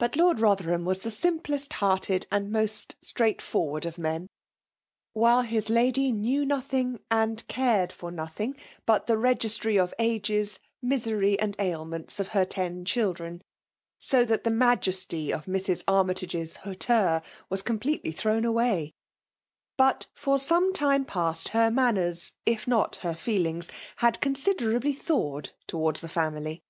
Bat L«rd Bother bn vss the staip^est hearted and most «toi^ktforwttrd of men ; while hia lady kaev Mhiog, and cared «ar nothing, bnfc the t^ 32 FEMALE domination; g^istry of the ages, misery^ and ailments of her * ten children : so that the majesty of Mrs. Ar lnytage*s hauteur was completely thrown away« But for some time past her manners^ if not her feelings, had considerably thawed towards the family.